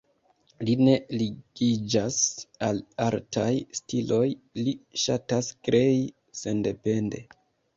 Li ne ligiĝas al artaj stiloj, li ŝatas krei sendepende.